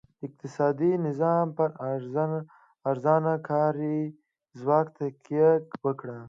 اقتصادي نظام پر ارزانه کاري ځواک تکیه وکړه.